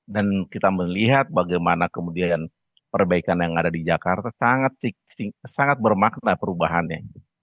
dan kita melihat bagaimana kemudian perbaikan yang ada di jakarta sangat bermakna perubahannya